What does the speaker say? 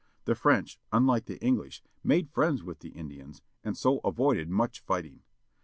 The French, unlike the English, made friends with the Indians, and so avoided much fighting.